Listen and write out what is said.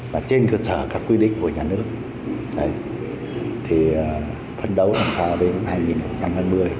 và trên cơ sở các quy định của nhà nước thì phân đấu làm sao đến năm hai nghìn hai mươi